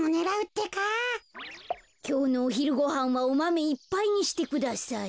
きょうのおひるごはんはおマメいっぱいにしてください。